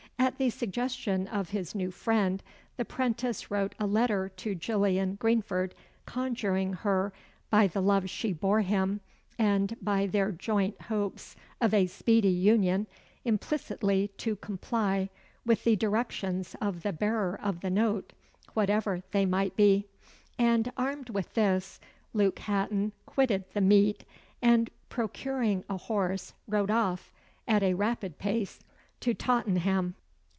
At the suggestion of his new friend, the 'prentice wrote a letter to Gillian Greenford, conjuring her, by the love she bore him, and by their joint hopes of a speedy union, implicitly to comply with the directions of the bearer of the note whatever they might be: and, armed with this, Luke Hatton quitted the Meet, and, procuring a horse, rode off, at a rapid pace, to Tottenham.